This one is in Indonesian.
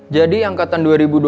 jadi angkatan dua ribu dua puluh